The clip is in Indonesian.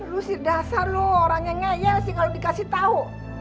lu si dasar lo orangnya ngeyel sih kalo dikasih tau